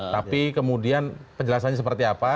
tapi kemudian penjelasannya seperti apa